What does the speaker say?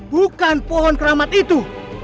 bukan pohon keramat itu